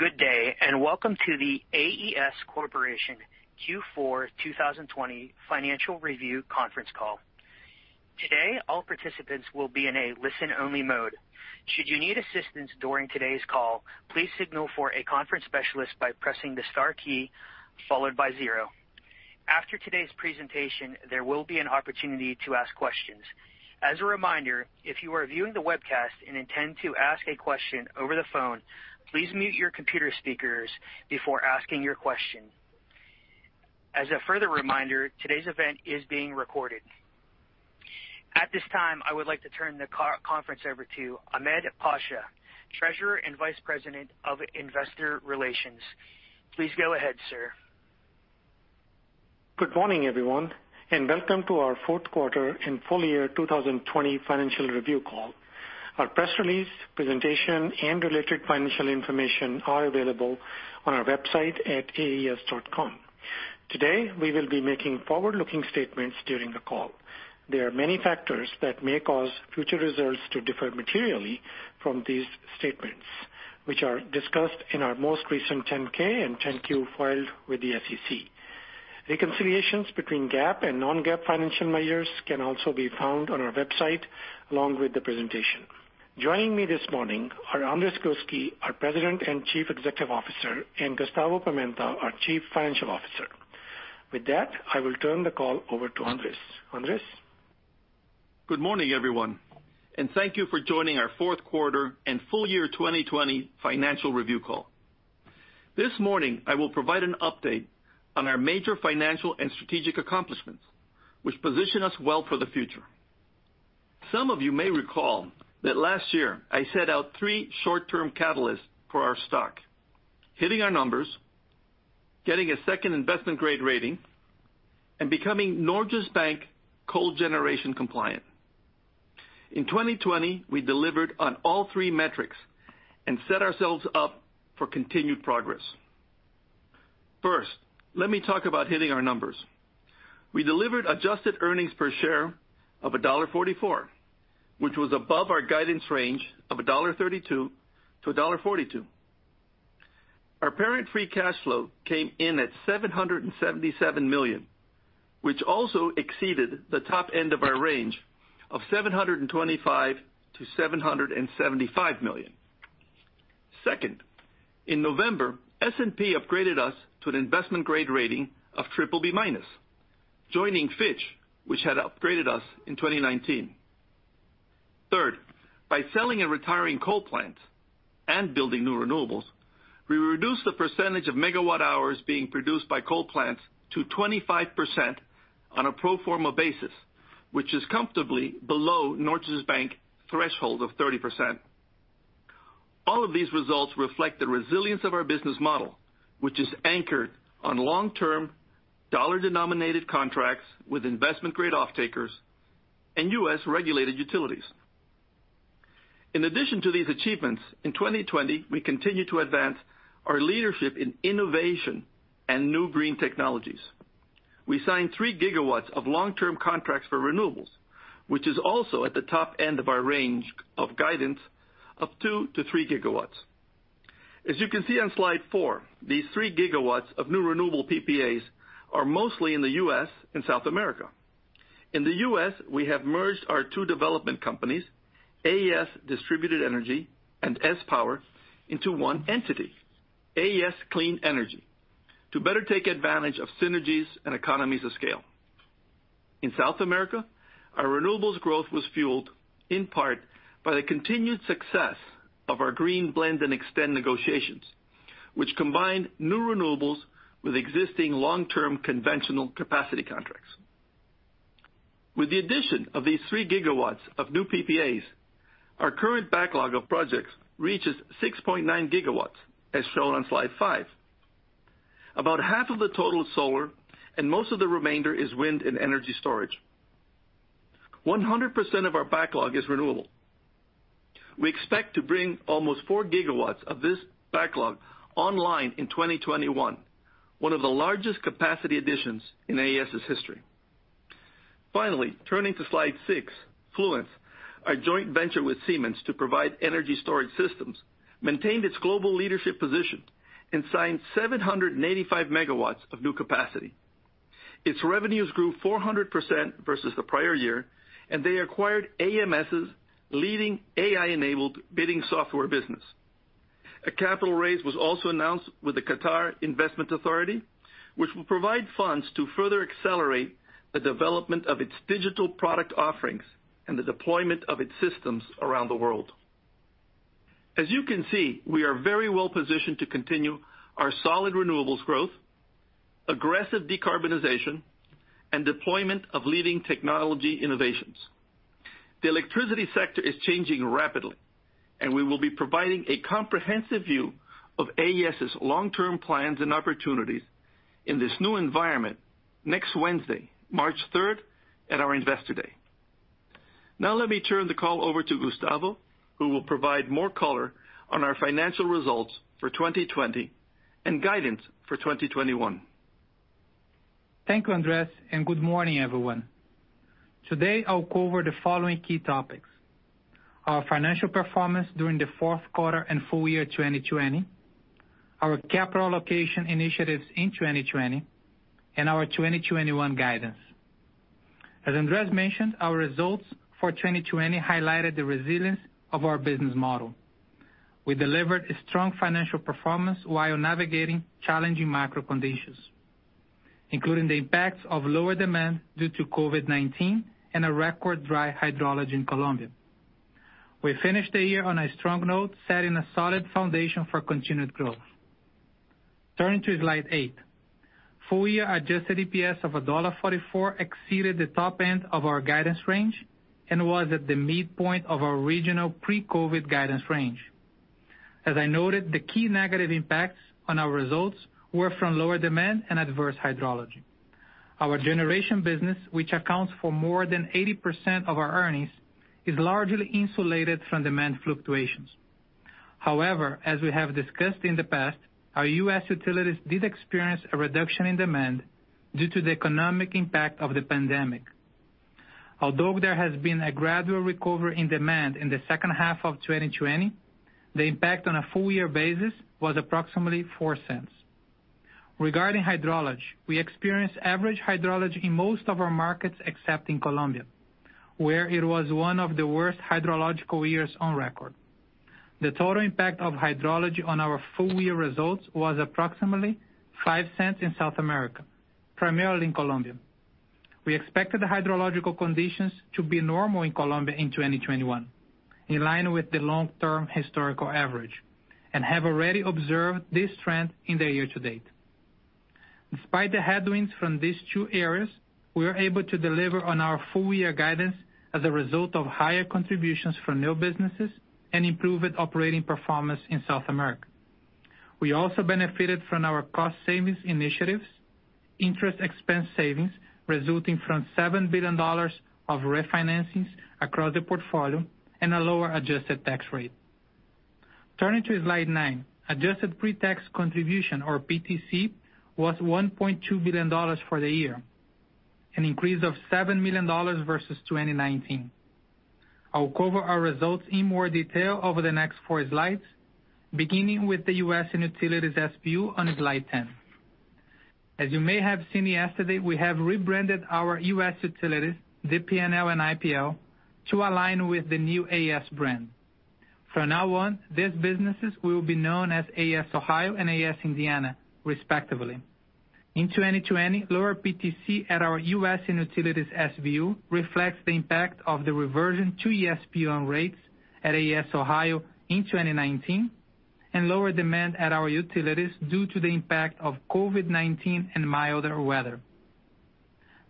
Good day, and welcome to the AES Corporation Q4 2020 Financial Review conference call. Today, all participants will be in a listen-only mode. Should you need assistance during today's call, please signal for a conference specialist by pressing the star key followed by zero. After today's presentation, there will be an opportunity to ask questions. As a reminder, if you are viewing the webcast and intend to ask a question over the phone, please mute your computer speakers before asking your question. As a further reminder, today's event is being recorded. At this time, I would like to turn the conference over to Ahmed Pasha, Treasurer and Vice President of Investor Relations. Please go ahead, sir. Good morning, everyone, and welcome to our fourth quarter and full year 2020 financial review call. Our press release, presentation, and related financial information are available on our website at aes.com. Today, we will be making forward-looking statements during the call. There are many factors that may cause future results to differ materially from these statements, which are discussed in our most recent 10-K and 10-Q filed with the SEC. Reconciliations between GAAP and non-GAAP financial measures can also be found on our website along with the presentation. Joining me this morning are Andrés Gluski, our President and Chief Executive Officer, and Gustavo Pimenta, our Chief Financial Officer. With that, I will turn the call over to Andrés. Andrés? Good morning, everyone, and thank you for joining our fourth quarter and full year 2020 financial review call. This morning, I will provide an update on our major financial and strategic accomplishments, which position us well for the future. Some of you may recall that last year, I set out three short-term catalysts for our stock: hitting our numbers, getting a second investment-grade rating, and becoming Norges Bank coal generation compliant. In 2020, we delivered on all three metrics and set ourselves up for continued progress. First, let me talk about hitting our numbers. We delivered adjusted earnings per share of $1.44, which was above our guidance range of $1.32-$1.42. Our parent free cash flow came in at $777 million, which also exceeded the top end of our range of $725 million-$775 million. Second, in November, S&P upgraded us to an investment-grade rating of BBB-, joining Fitch, which had upgraded us in 2019. Third, by selling and retiring coal plants and building new renewables, we reduced the percentage of megawatt-hours being produced by coal plants to 25% on a pro forma basis, which is comfortably below Norges Bank's threshold of 30%. All of these results reflect the resilience of our business model, which is anchored on long-term dollar-denominated contracts with investment-grade off-takers and U.S.-regulated utilities. In addition to these achievements, in 2020, we continue to advance our leadership in innovation and new green technologies. We signed 3 GW of long-term contracts for renewables, which is also at the top end of our range of guidance of 2 GW to 3 GW. As you can see on slide four, these 3 GW of new renewable PPAs are mostly in the U.S. and South America. In the U.S., we have merged our two development companies, AES Distributed Energy and sPower, into one entity, AES Clean Energy, to better take advantage of synergies and economies of scale. In South America, our renewables growth was fueled, in part, by the continued success of our Green Blend and Extend negotiations, which combined new renewables with existing long-term conventional capacity contracts. With the addition of these 3 GW of new PPAs, our current backlog of projects reaches 6.9 GW, as shown on slide five. About half of the total is solar, and most of the remainder is wind and energy storage. 100% of our backlog is renewable. We expect to bring almost 4 GW of this backlog online in 2021, one of the largest capacity additions in AES's history. Finally, turning to slide six, Fluence, our joint venture with Siemens to provide energy storage systems, maintained its global leadership position and signed 785 MW of new capacity. Its revenues grew 400% versus the prior year, and they acquired AMS's leading AI-enabled bidding software business. A capital raise was also announced with the Qatar Investment Authority, which will provide funds to further accelerate the development of its digital product offerings and the deployment of its systems around the world. As you can see, we are very well positioned to continue our solid renewables growth, aggressive decarbonization, and deployment of leading technology innovations. The electricity sector is changing rapidly, and we will be providing a comprehensive view of AES's long-term plans and opportunities in this new environment next Wednesday, March 3rd, at our Investor Day. Now, let me turn the call over to Gustavo, who will provide more color on our financial results for 2020 and guidance for 2021. Thank you, Andrés, and good morning, everyone. Today, I'll cover the following key topics: our financial performance during the fourth quarter and full year 2020, our capital allocation initiatives in 2020, and our 2021 guidance. As Andrés mentioned, our results for 2020 highlighted the resilience of our business model. We delivered strong financial performance while navigating challenging macro conditions, including the impacts of lower demand due to COVID-19 and a record dry hydrology in Colombia. We finished the year on a strong note, setting a solid foundation for continued growth. Turning to slide eight, full year adjusted EPS of $1.44 exceeded the top end of our guidance range and was at the midpoint of our regional pre-COVID guidance range. As I noted, the key negative impacts on our results were from lower demand and adverse hydrology. Our generation business, which accounts for more than 80% of our earnings, is largely insulated from demand fluctuations. However, as we have discussed in the past, our U.S. utilities did experience a reduction in demand due to the economic impact of the pandemic. Although there has been a gradual recovery in demand in the second half of 2020, the impact on a full year basis was approximately $0.04. Regarding hydrology, we experienced average hydrology in most of our markets, except in Colombia, where it was one of the worst hydrological years on record. The total impact of hydrology on our full year results was approximately $0.05 in South America, primarily in Colombia. We expected the hydrological conditions to be normal in Colombia in 2021, in line with the long-term historical average, and have already observed this trend in the year to date. Despite the headwinds from these two areas, we were able to deliver on our full year guidance as a result of higher contributions from new businesses and improved operating performance in South America. We also benefited from our cost savings initiatives, interest expense savings resulting from $7 billion of refinancings across the portfolio and a lower adjusted tax rate. Turning to slide nine, adjusted pre-tax contribution, or PTC, was $1.2 billion for the year, an increase of $7 million versus 2019. I'll cover our results in more detail over the next four slides, beginning with the U.S. and utilities SBU on slide 10. As you may have seen yesterday, we have rebranded our U.S. utilities, DP&L and IPL, to align with the new AES brand. From now on, these businesses will be known as AES Ohio and AES Indiana, respectively. In 2020, lower PTC at our U.S. and utilities SBU reflects the impact of the reversion to SBU on rates at AES Ohio in 2019 and lower demand at our utilities due to the impact of COVID-19 and milder weather.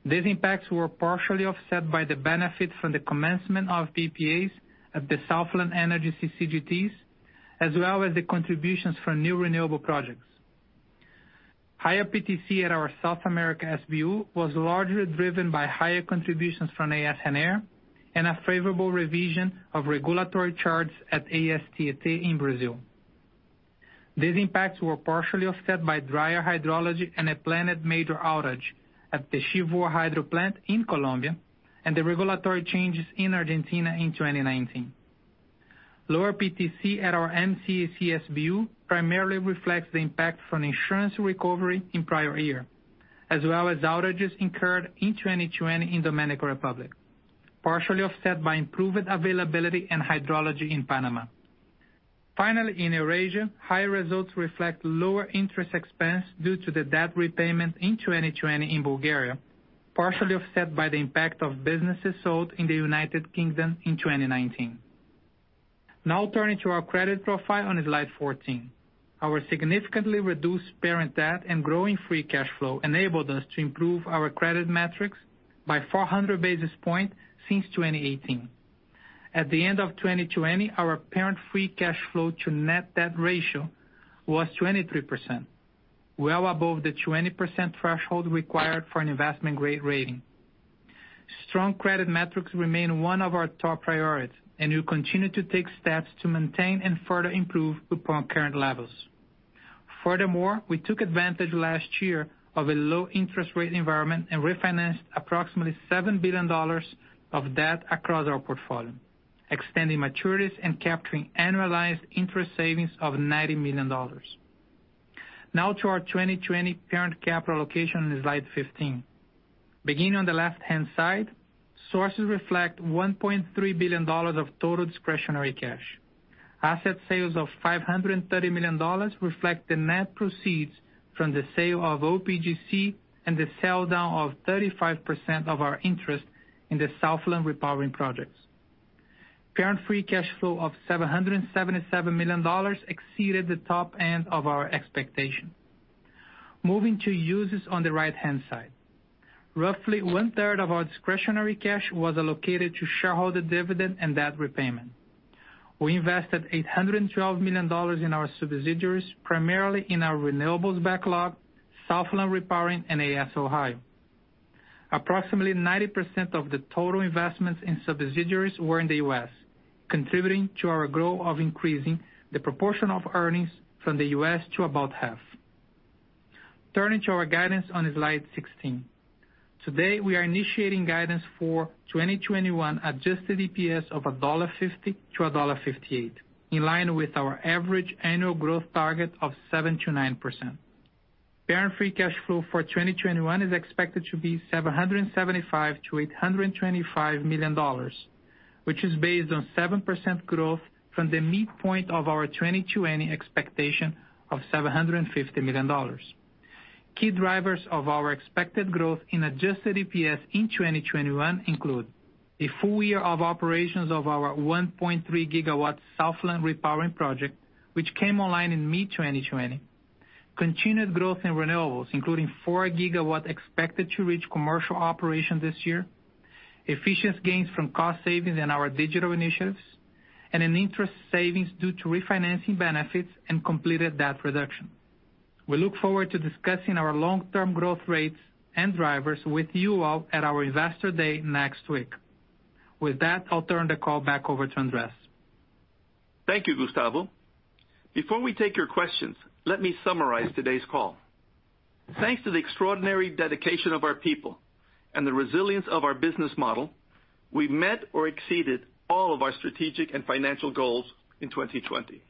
These impacts were partially offset by the benefit from the commencement of PPAs at the Southland Energy CGTs, as well as the contributions from new renewable projects. Higher PTC at our South America SBU was largely driven by higher contributions from AES Gener and a favorable revision of regulatory charges at AES Tietê in Brazil. These impacts were partially offset by drier hydrology and a planned major outage at the Chivor hydro plant in Colombia and the regulatory changes in Argentina in 2019. Lower PTC at our MCEC SBU primarily reflects the impact from insurance recovery in prior year, as well as outages incurred in 2020 in the Dominican Republic, partially offset by improved availability and hydrology in Panama. Finally, in Eurasia, higher results reflect lower interest expense due to the debt repayment in 2020 in Bulgaria, partially offset by the impact of businesses sold in the United Kingdom in 2019. Now, turning to our credit profile on slide 14, our significantly reduced parent debt and growing free cash flow enabled us to improve our credit metrics by 400 basis points since 2018. At the end of 2020, our parent free cash flow to net debt ratio was 23%, well above the 20% threshold required for an investment-grade rating. Strong credit metrics remain one of our top priorities, and we continue to take steps to maintain and further improve upon current levels. Furthermore, we took advantage last year of a low interest rate environment and refinanced approximately $7 billion of debt across our portfolio, extending maturities and capturing annualized interest savings of $90 million. Now, to our 2020 parent capital allocation on slide 15. Beginning on the left-hand side, sources reflect $1.3 billion of total discretionary cash. Asset sales of $530 million reflect the net proceeds from the sale of OPGC and the sell-down of 35% of our interest in the Southland Repowering projects. Parent free cash flow of $777 million exceeded the top end of our expectation. Moving to uses on the right-hand side, roughly 1/3 of our discretionary cash was allocated to shareholder dividend and debt repayment. We invested $812 million in our subsidiaries, primarily in our renewables backlog, Southland Repowering, and AES Ohio. Approximately 90% of the total investments in subsidiaries were in the U.S., contributing to our growth of increasing the proportion of earnings from the U.S. to about half. Turning to our guidance on slide 16, today, we are initiating guidance for 2021 adjusted EPS of $1.50-$1.58, in line with our average annual growth target of 7%-9%. Parent free cash flow for 2021 is expected to be $775 million-$825 million, which is based on 7% growth from the midpoint of our 2020 expectation of $750 million. Key drivers of our expected growth in adjusted EPS in 2021 include a full year of operations of our 1.3 GW Southland Repowering project, which came online in mid-2020, continued growth in renewables, including 4 GW expected to reach commercial operation this year, efficient gains from cost savings in our digital initiatives, and interest savings due to refinancing benefits and completed debt reduction. We look forward to discussing our long-term growth rates and drivers with you all at our Investor Day next week. With that, I'll turn the call back over to Andrés. Thank you, Gustavo. Before we take your questions, let me summarize today's call. Thanks to the extraordinary dedication of our people and the resilience of our business model, we met or exceeded all of our strategic and financial goals in 2020.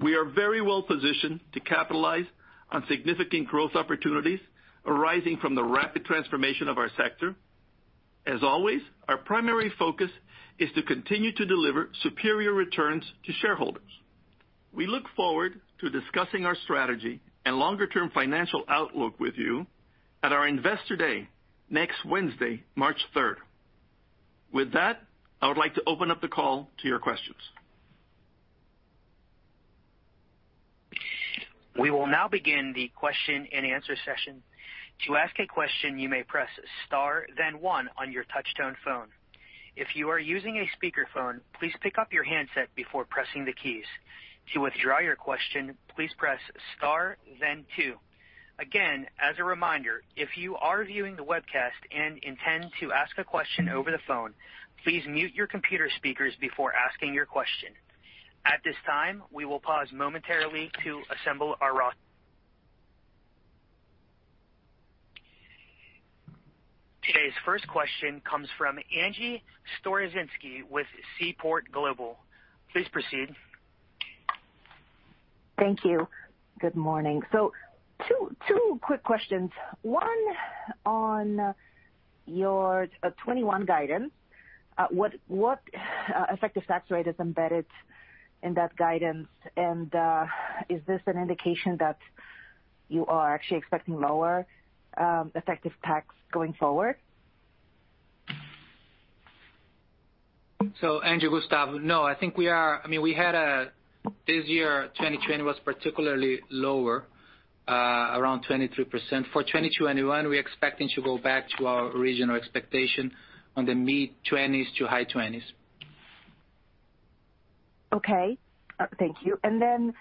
We are very well positioned to capitalize on significant growth opportunities arising from the rapid transformation of our sector. As always, our primary focus is to continue to deliver superior returns to shareholders. We look forward to discussing our strategy and longer-term financial outlook with you at our Investor Day next Wednesday, March 3rd. With that, I would like to open up the call to your questions. We will now begin the question and answer session. To ask a question, you may press star, then one on your touch-tone phone. If you are using a speakerphone, please pick up your handset before pressing the keys. To withdraw your question, please press star, then two. Again, as a reminder, if you are viewing the webcast and intend to ask a question over the phone, please mute your computer speakers before asking your question. At this time, we will pause momentarily to assemble our callers. Today's first question comes from Angie Storozynski with Seaport Global. Please proceed. Thank you. Good morning. So two quick questions. One on your 2021 guidance. What effective tax rate is embedded in that guidance? And is this an indication that you are actually expecting lower effective tax going forward? So, Angie, Gustavo, no, I think we are. I mean, we had this year, 2020 was particularly lower, around 23%. For 2021, we're expecting to go back to our original expectation on the mid-20s% to high 20s%. Okay. Thank you. Then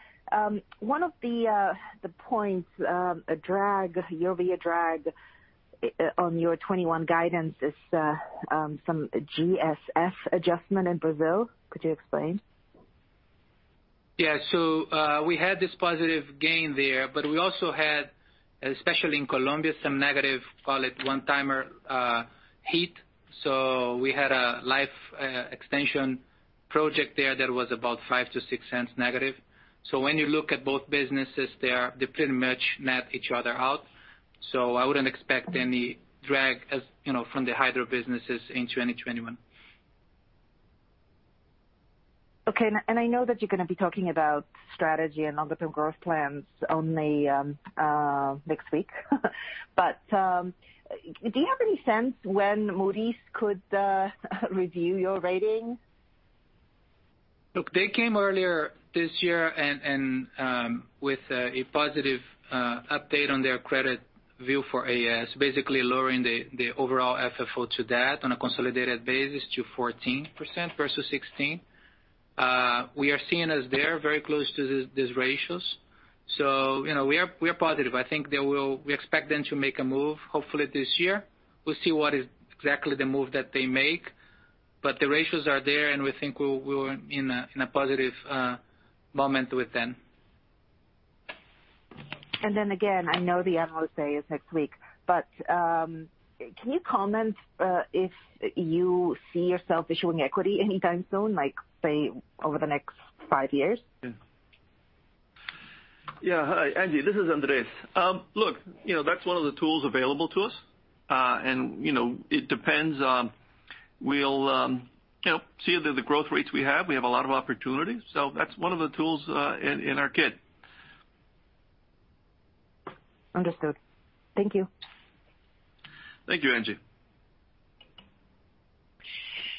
one of the points you flagged in your 2021 guidance is some GSF adjustment in Brazil. Could you explain? Yeah. So we had this positive gain there, but we also had, especially in Colombia, some negative, call it one-time hit. So we had a life extension project there that was about $0.05-$0.06 negative. So when you look at both businesses, they pretty much net each other out. So I wouldn't expect any drag from the hydro businesses in 2021. Okay, and I know that you're going to be talking about strategy and longer-term growth plans only next week. But do you have any sense when Moody's could review your rating? Look, they came earlier this year with a positive update on their credit view for AES, basically lowering the overall FFO to debt on a consolidated basis to 14% versus 16%. We are seeing us there very close to these ratios. So we are positive. I think we expect them to make a move, hopefully, this year. We'll see what is exactly the move that they make. But the ratios are there, and we think we're in a positive moment with them. And then again, I know the MOSA is next week, but can you comment if you see yourself issuing equity anytime soon, say, over the next five years? Yeah. Hi, Angie. This is Andrés. Look, that's one of the tools available to us. And it depends. We'll see the growth rates we have. We have a lot of opportunities. So that's one of the tools in our kit. Understood. Thank you. Thank you, Angie.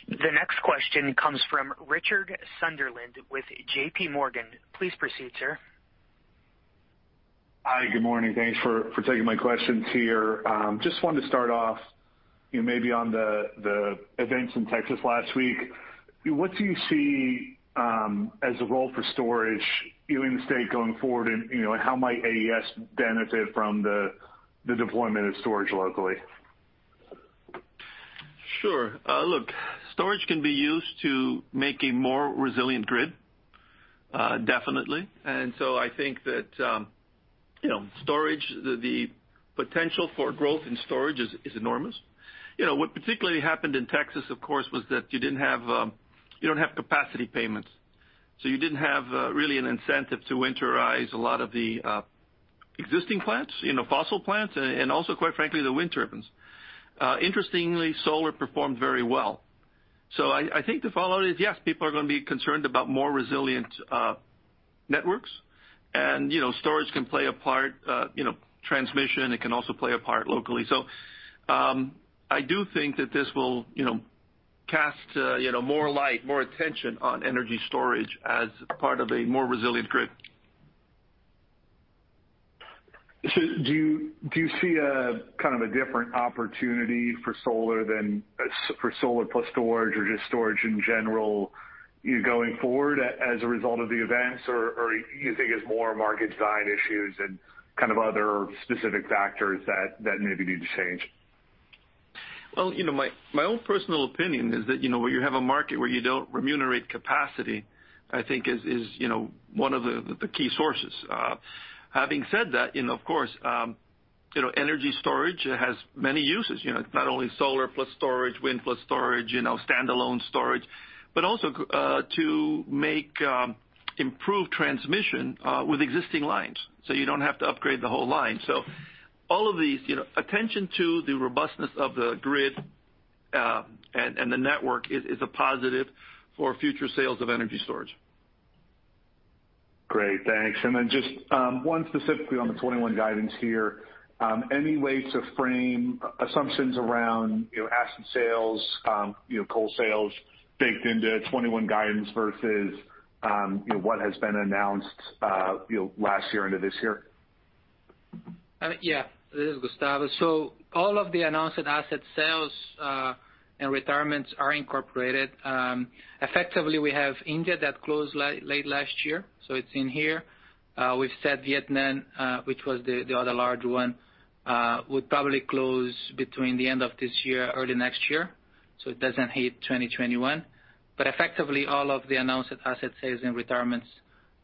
The next question comes from Richard Sunderland with J.P. Morgan. Please proceed, sir. Hi. Good morning. Thanks for taking my questions here. Just wanted to start off maybe on the events in Texas last week. What do you see as a role for storage in the state going forward, and how might AES benefit from the deployment of storage locally? Sure. Look, storage can be used to make a more resilient grid, definitely, and so I think that storage, the potential for growth in storage is enormous. What particularly happened in Texas, of course, was that you didn't have capacity payments, so you didn't have really an incentive to winterize a lot of the existing plants, fossil plants, and also, quite frankly, the wind turbines. Interestingly, solar performed very well, so I think the follow-up is, yes, people are going to be concerned about more resilient networks, and storage can play a part. Transmission, it can also play a part locally, so I do think that this will cast more light, more attention on energy storage as part of a more resilient grid. So do you see kind of a different opportunity for solar than for solar plus storage or just storage in general going forward as a result of the events, or do you think it's more market design issues and kind of other specific factors that maybe need to change? My own personal opinion is that when you have a market where you don't remunerate capacity, I think, is one of the key sources. Having said that, of course, energy storage has many uses. It's not only solar plus storage, wind plus storage, standalone storage, but also to improve transmission with existing lines so you don't have to upgrade the whole line. All of these, attention to the robustness of the grid and the network is a positive for future sales of energy storage. Great. Thanks. And then just one specifically on the 2021 guidance here. Any way to frame assumptions around asset sales, coal sales baked into 2021 guidance versus what has been announced last year into this year? Yeah. This is Gustavo. So all of the announced asset sales and retirements are incorporated. Effectively, we have India that closed late last year, so it's in here. We've said Vietnam, which was the other large one, would probably close between the end of this year, early next year, so it doesn't hit 2021. But effectively, all of the announced asset sales and retirements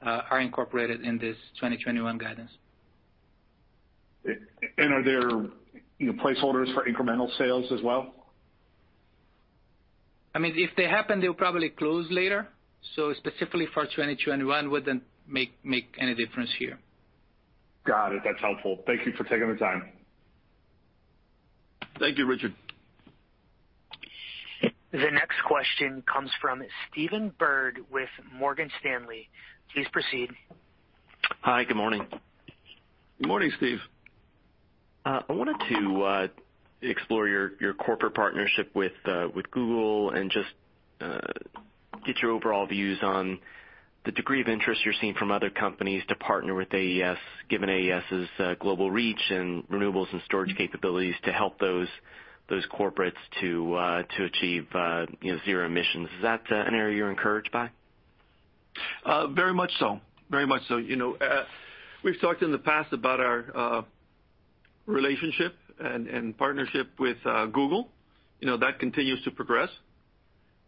are incorporated in this 2021 guidance. And are there placeholders for incremental sales as well? I mean, if they happen, they'll probably close later. So specifically for 2021, it wouldn't make any difference here. Got it. That's helpful. Thank you for taking the time. Thank you, Richard. The next question comes from Stephen Byrd with Morgan Stanley. Please proceed. Hi. Good morning. Good morning, Steve. I wanted to explore your corporate partnership with Google and just get your overall views on the degree of interest you're seeing from other companies to partner with AES, given AES's global reach and renewables and storage capabilities to help those corporates to achieve zero emissions. Is that an area you're encouraged by? Very much so. Very much so. We've talked in the past about our relationship and partnership with Google. That continues to progress.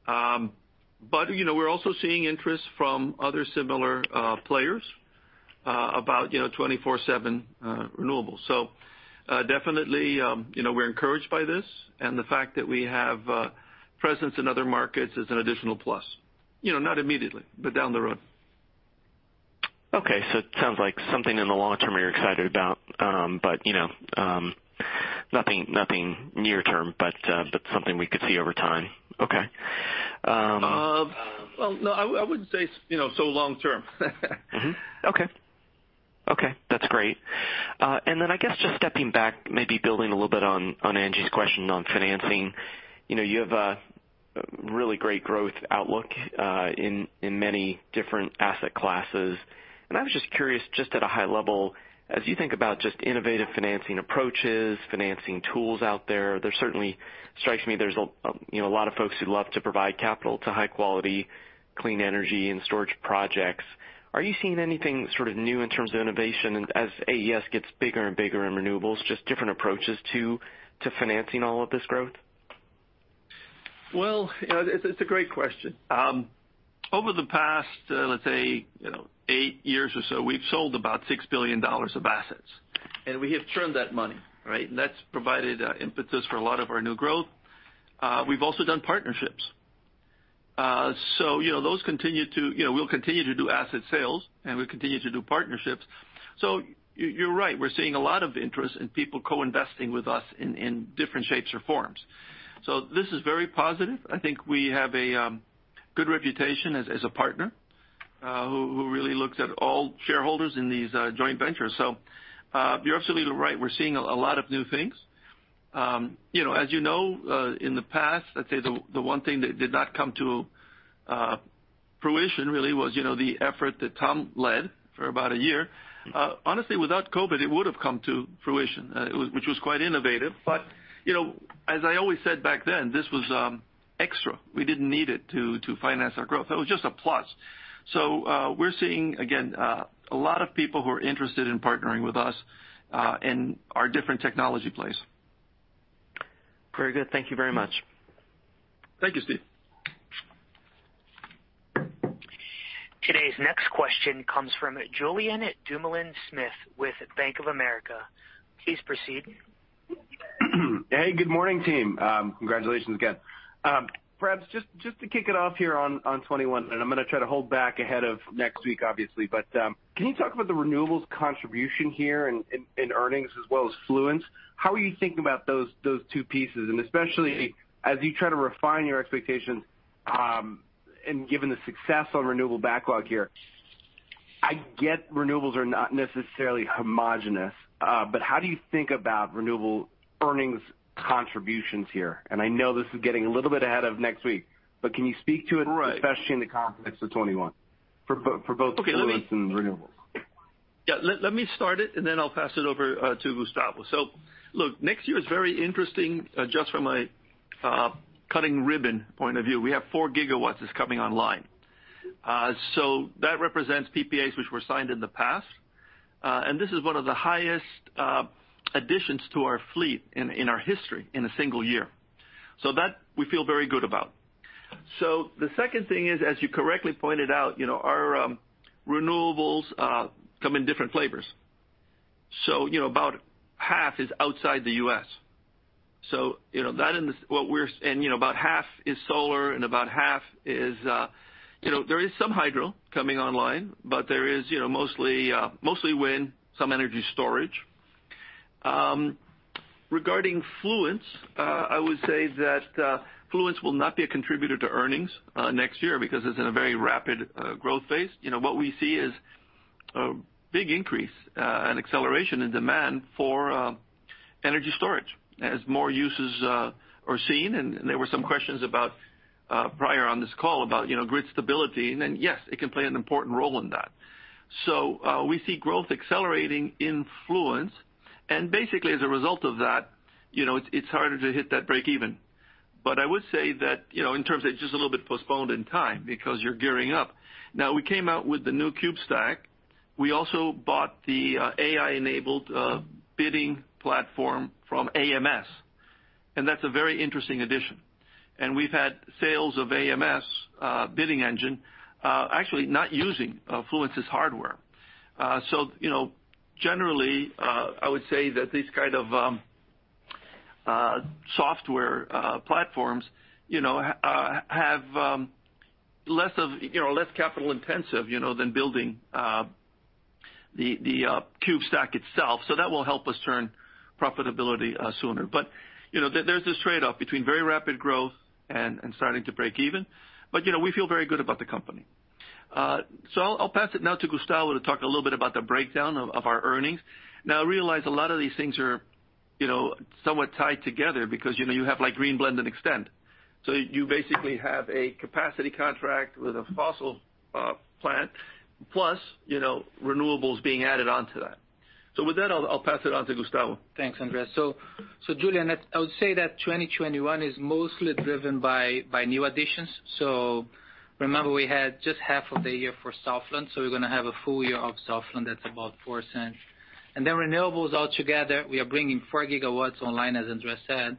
But we're also seeing interest from other similar players about 24/7 renewables. So definitely, we're encouraged by this. And the fact that we have presence in other markets is an additional plus. Not immediately, but down the road. Okay. So it sounds like something in the long term you're excited about, but nothing near-term, but something we could see over time. Okay. No, I wouldn't say so long term. Okay. Okay. That's great. And then I guess just stepping back, maybe building a little bit on Angie's question on financing, you have a really great growth outlook in many different asset classes. And I was just curious, just at a high level, as you think about just innovative financing approaches, financing tools out there, there certainly strikes me there's a lot of folks who love to provide capital to high-quality clean energy and storage projects. Are you seeing anything sort of new in terms of innovation as AES gets bigger and bigger in renewables, just different approaches to financing all of this growth? It's a great question. Over the past, let's say, eight years or so, we've sold about $6 billion of assets. And we have churned that money, right? And that's provided impetus for a lot of our new growth. We've also done partnerships. So we'll continue to do asset sales, and we'll continue to do partnerships. So you're right. We're seeing a lot of interest in people co-investing with us in different shapes or forms. So this is very positive. I think we have a good reputation as a partner who really looks at all shareholders in these joint ventures. So you're absolutely right. We're seeing a lot of new things. As you know, in the past, I'd say the one thing that did not come to fruition, really, was the effort that Tom led for about a year. Honestly, without COVID, it would have come to fruition, which was quite innovative. But as I always said back then, this was extra. We didn't need it to finance our growth. That was just a plus. So we're seeing, again, a lot of people who are interested in partnering with us in our different technology plays. Very good. Thank you very much. Thank you, Steve. Today's next question comes from Julian Dumoulin-Smith with Bank of America. Please proceed. Hey, good morning, team. Congratulations again. Perhaps just to kick it off here on 2021, and I'm going to try to hold back ahead of next week, obviously, but can you talk about the renewables contribution here in earnings as well as Fluence? How are you thinking about those two pieces? And especially as you try to refine your expectations and given the success on renewable backlog here, I get renewables are not necessarily homogeneous. But how do you think about renewable earnings contributions here? And I know this is getting a little bit ahead of next week, but can you speak to it, especially in the context of 2021, for both Fluence and renewables? Yeah. Let me start it, and then I'll pass it over to Gustavo. So look, next year is very interesting just from a cutting ribbon point of view. We have four gigawatts that's coming online. So that represents PPAs, which were signed in the past. And this is one of the highest additions to our fleet in our history in a single year. So that we feel very good about. So the second thing is, as you correctly pointed out, our renewables come in different flavors. So about half is outside the U.S. About half is solar, and about half is wind. There is some hydro coming online, but there is mostly wind, some energy storage. Regarding Fluence, I would say that Fluence will not be a contributor to earnings next year because it's in a very rapid growth phase. What we see is a big increase and acceleration in demand for energy storage as more uses are seen. And there were some questions prior on this call about grid stability. And yes, it can play an important role in that. So we see growth accelerating in Fluence. And basically, as a result of that, it's harder to hit that break-even. But I would say that in terms of, it's just a little bit postponed in time because you're gearing up. Now, we came out with the new Cube stack. We also bought the AI-enabled bidding platform from AMS. And that's a very interesting addition. And we've had sales of AMS Bidding Engine, actually not using Fluence's hardware. So generally, I would say that these kind of software platforms have less capital-intensive than building the Cube stack itself. So that will help us turn profitability sooner. But there's this trade-off between very rapid growth and starting to break even. But we feel very good about the company. So I'll pass it now to Gustavo to talk a little bit about the breakdown of our earnings. Now, I realize a lot of these things are somewhat tied together because you have Green Blend and Extend. So you basically have a capacity contract with a fossil plant plus renewables being added onto that. So with that, I'll pass it on to Gustavo. Thanks, Andrés. Julian, I would say that 2021 is mostly driven by new additions. Remember, we had just half of the year for Southland. We're going to have a full year of Southland. That's about $0.04. Then renewables altogether, we are bringing 4 GW online, as Andrés said.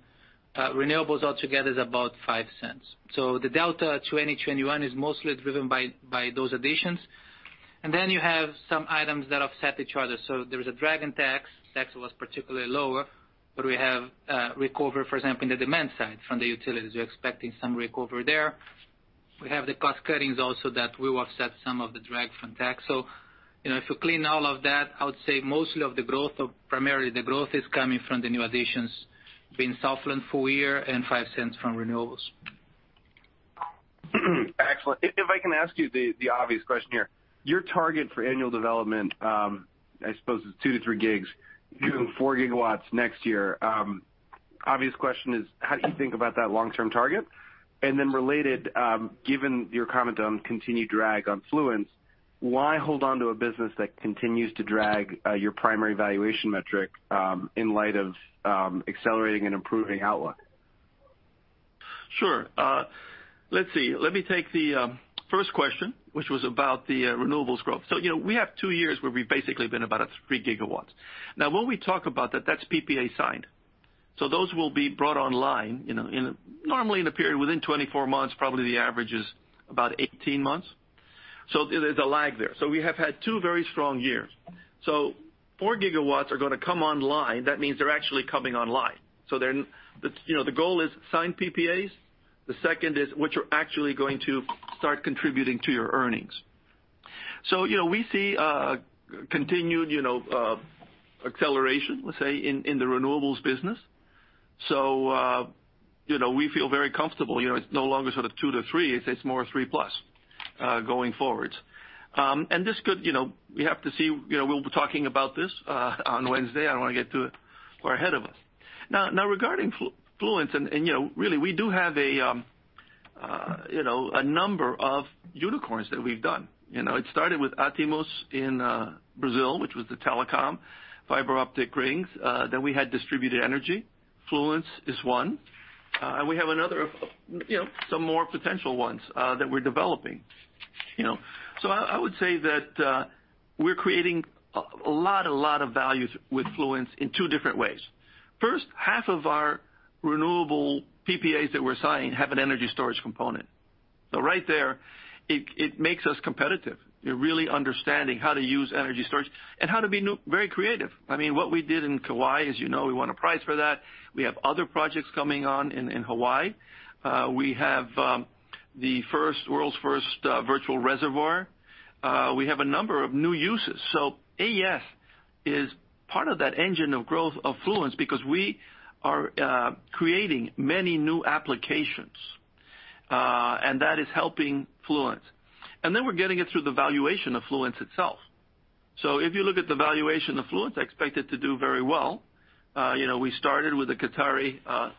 Renewables altogether is about $0.05. The delta 2021 is mostly driven by those additions. Then you have some items that offset each other. There's a drag in tax. Tax was particularly lower, but we have recovery, for example, in the demand side from the utilities. We're expecting some recovery there. We have the cost cuttings also that will offset some of the drag from tax. If you clean all of that, I would say mostly of the growth, or primarily the growth, is coming from the new additions, being Southland full year and $0.05 from renewables. Excellent. If I can ask you the obvious question here, your target for annual development, I suppose, is 2 GW-3 GW. You're doing 4 GW next year. Obvious question is, how do you think about that long-term target? And then related, given your comment on continued drag on Fluence, why hold on to a business that continues to drag your primary valuation metric in light of accelerating and improving outlook? Sure. Let's see. Let me take the first question, which was about the renewables growth. We have two years where we've basically been about 3 GW. Now, when we talk about that, that's PPA signed. Those will be brought online normally in a period within 24 months. Probably the average is about 18 months. There's a lag there. We have had two very strong years. Four gigawatts are going to come online. That means they're actually coming online. The goal is signed PPAs. The second is which are actually going to start contributing to your earnings. We see continued acceleration, let's say, in the renewables business. We feel very comfortable. It's no longer sort of two to three. It's more three plus going forwards, and this could we have to see we'll be talking about this on Wednesday. I don't want to get too far ahead of us. Now, regarding Fluence, and really, we do have a number of unicorns that we've done. It started with Atimus in Brazil, which was the telecom, fiber optic rings. Then we had distributed energy. Fluence is one. And we have some more potential ones that we're developing. So I would say that we're creating a lot, a lot of value with Fluence in two different ways. First, half of our renewable PPAs that we're signing have an energy storage component. So right there, it makes us competitive. You're really understanding how to use energy storage and how to be very creative. I mean, what we did in Kauai, as you know, we won a prize for that. We have other projects coming on in Hawaii. We have the world's first virtual reservoir. We have a number of new uses. So AES is part of that engine of growth of Fluence because we are creating many new applications. And that is helping Fluence. And then we're getting it through the valuation of Fluence itself. So if you look at the valuation of Fluence, I expect it to do very well. We started with the Qatar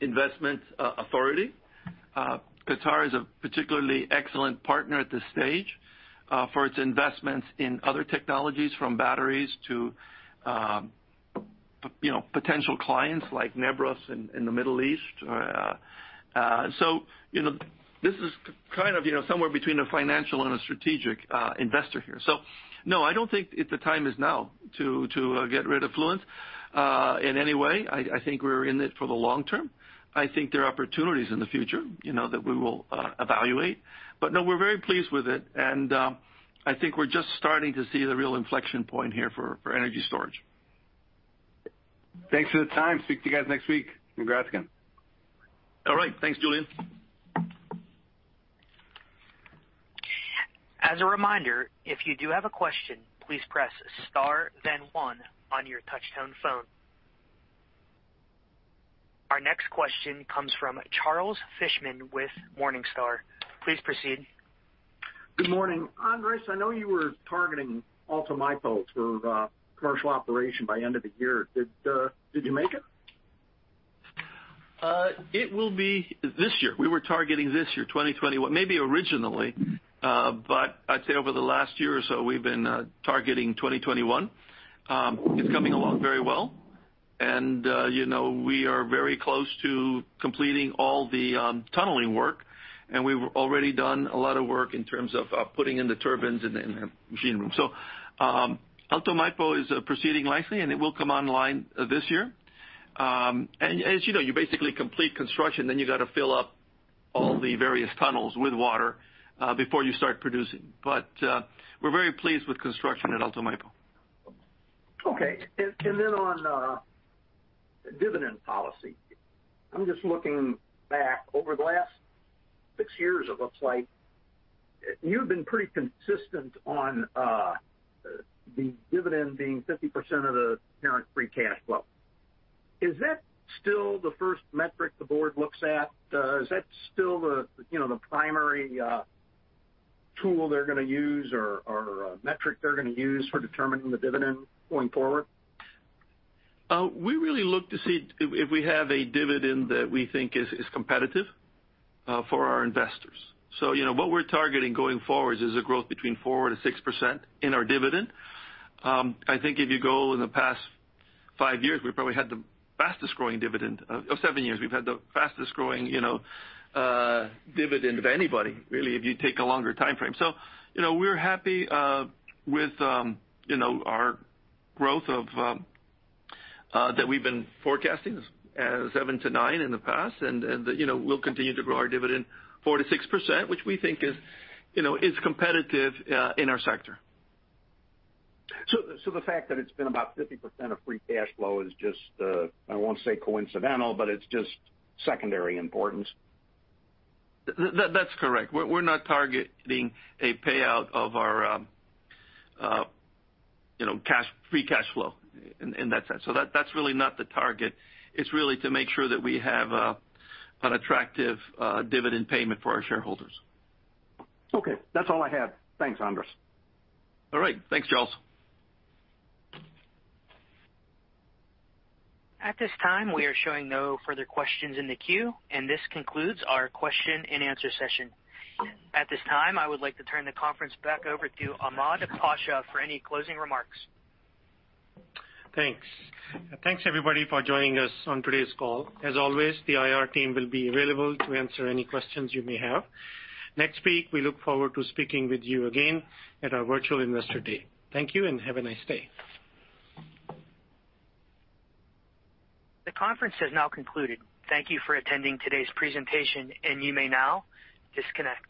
Investment Authority. Qatar is a particularly excellent partner at this stage for its investments in other technologies, from batteries to potential clients like Nebras in the Middle East. So this is kind of somewhere between a financial and a strategic investor here. So no, I don't think the time is now to get rid of Fluence in any way. I think we're in it for the long term. I think there are opportunities in the future that we will evaluate. But no, we're very pleased with it. I think we're just starting to see the real inflection point here for energy storage. Thanks for the time. Speak to you guys next week. Congrats again. All right. Thanks, Julian. As a reminder, if you do have a question, please press star, then one on your touch-tone phone. Our next question comes from Charles Fishman with Morningstar. Please proceed. Good morning. Andrés, I know you were targeting Alto Maipo for commercial operation by end of the year. Did you make it? It will be this year. We were targeting this year, 2021, maybe originally. But I'd say over the last year or so, we've been targeting 2021. It's coming along very well. And we are very close to completing all the tunneling work. And we've already done a lot of work in terms of putting in the turbines and machine rooms. So Alto Maipo is proceeding nicely, and it will come online this year. And as you know, you basically complete construction, then you got to fill up all the various tunnels with water before you start producing. But we're very pleased with construction at Alto Maipo. Okay. And then on dividend policy, I'm just looking back over the last six years, it looks like you've been pretty consistent on the dividend being 50% of the parent free cash flow. Is that still the first metric the board looks at? Is that still the primary tool they're going to use or metric they're going to use for determining the dividend going forward? We really look to see if we have a dividend that we think is competitive for our investors. So what we're targeting going forward is a growth between 4% and 6% in our dividend. I think if you go in the past five years, we probably had the fastest growing dividend. Seven years, we've had the fastest growing dividend of anybody, really, if you take a longer time frame. So we're happy with our growth that we've been forecasting as 7%-9% in the past. And we'll continue to grow our dividend 4%-6%, which we think is competitive in our sector. So the fact that it's been about 50% of free cash flow is just, I won't say coincidental, but it's just secondary importance. That's correct. We're not targeting a payout of our free cash flow in that sense. So that's really not the target. It's really to make sure that we have an attractive dividend payment for our shareholders. Okay. That's all I have. Thanks, Andrés. All right. Thanks, Charles. At this time, we are showing no further questions in the queue. And this concludes our question and answer session. At this time, I would like to turn the conference back over to Ahmed Pasha for any closing remarks. Thanks. Thanks, everybody, for joining us on today's call. As always, the IR team will be available to answer any questions you may have. Next week, we look forward to speaking with you again at our virtual investor day. Thank you and have a nice day. The conference has now concluded. Thank you for attending today's presentation, and you may now disconnect.